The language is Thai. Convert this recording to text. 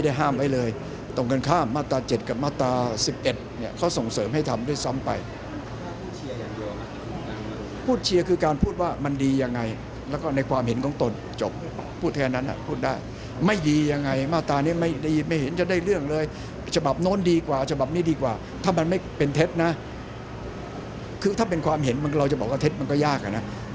ไม่รู้ว่าทำอะไรเห็นจากข่าวนะแต่ไม่รู้ว่าทำอะไรเห็นจากข่าวนะแต่ไม่รู้ว่าทำอะไรเห็นจากข่าวนะแต่ไม่รู้ว่าทำอะไรเห็นจากข่าวนะแต่ไม่รู้ว่าทำอะไรเห็นจากข่าวนะแต่ไม่รู้ว่าทำอะไรเห็นจากข่าวนะแต่ไม่รู้ว่าทำอะไรเห็นจากข่าวนะแต่ไม่รู้ว่าทำอะไรเห็นจากข่าวนะแต่ไม่รู้ว่าทำอะไรเห็นจากข่าวนะแต่ไม่รู้ว่าทำอะไรเห็นจากข่าวนะแต่ไม่รู้ว่าทำอะไรเห็